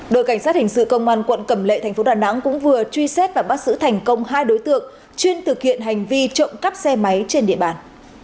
đội cảnh sát hình sự công an quận cầm lệ thành phố đà nẵng cũng vừa truy xét và bắt giữ thành công hai đối tượng chuyên thực hiện hành vi trộm cắp xe máy trên địa bàn